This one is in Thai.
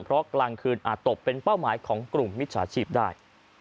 เพราะกลางคืนอาจตกเป็นเป้าหมายของกลุ่มมิจฉาชีพได้